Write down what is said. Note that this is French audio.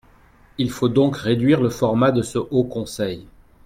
Il faut donc réduire le format de ce Haut conseil.